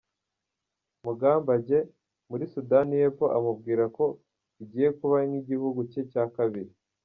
Mugambage muri Sudani y’Epfo amubwira ko igiye kuba nk’igihugu cye cya kabiri.